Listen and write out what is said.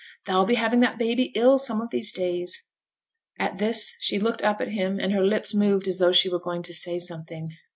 Thou'll be having that baby ill some of these days.' At this, she looked up at him, and her lips moved as though she were going to say something.